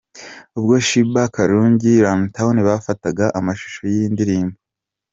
Ubwo Sheebah Karungi na RunTown bafataga amashusho y'iyi ndirimbo.